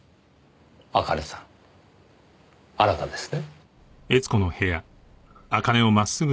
茜さんあなたですね？